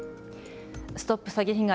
ＳＴＯＰ詐欺被害！